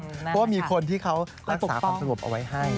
เพราะว่ามีคนที่เขารักษาความสงบเอาไว้ให้